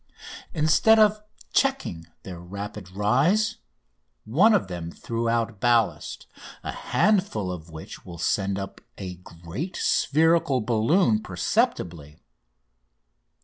Instead of checking their rapid rise one of them threw out ballast a handful of which will send up a great spherical balloon perceptibly.